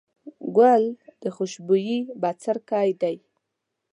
ګل د خوشبويي بڅرکی دی.